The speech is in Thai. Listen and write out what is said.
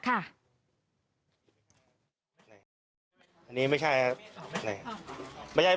อันนี้ไม่ใช่ครับ